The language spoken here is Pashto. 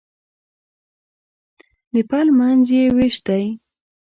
د پل منځ یې وېش دی.